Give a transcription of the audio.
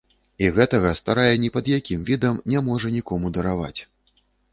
І гэтага старая ні пад якім відам не можа нікому дараваць.